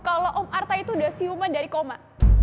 kalau om artha itu udah siuman dari koma